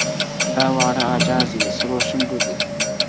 دا واړه اعـــجاز دې د سرو شونډو دې